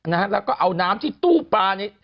นะฮะแล้วก็เอาน้ำที่ตู้ปลานี้